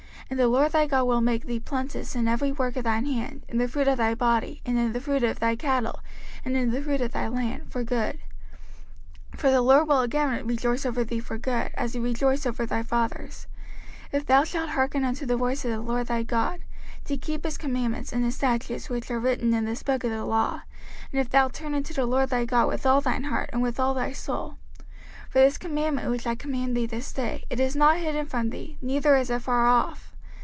05:030:009 And the LORD thy God will make thee plenteous in every work of thine hand, in the fruit of thy body, and in the fruit of thy cattle, and in the fruit of thy land, for good: for the LORD will again rejoice over thee for good, as he rejoiced over thy fathers: 05:030:010 If thou shalt hearken unto the voice of the LORD thy God, to keep his commandments and his statutes which are written in this book of the law, and if thou turn unto the LORD thy God with all thine heart, and with all thy soul. 05:030:011 For this commandment which I command thee this day, it is not hidden from thee, neither is it far off.